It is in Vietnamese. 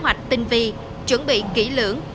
kế hoạch tinh vi chuẩn bị kỹ lưỡng